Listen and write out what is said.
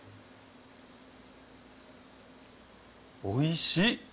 おいしい！